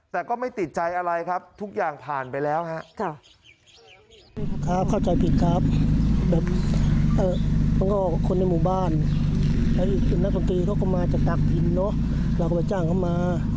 แต่ก็ไม่ติดใจอะไรครับทุกอย่างผ่านไปแล้วฮะ